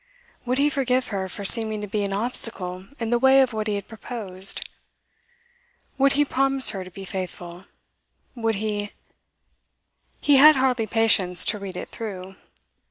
Would he forgive her for seeming to be an obstacle in the way of what he had proposed? Would he promise her to be faithful? Would he He had hardly patience to read it through.